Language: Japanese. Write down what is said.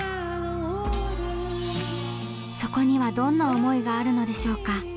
そこにはどんな思いがあるのでしょうか。